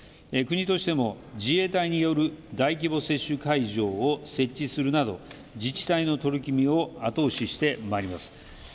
国としても自衛隊による大規模接種会場を設置するなど自治体の取り組みを後押ししてまいります。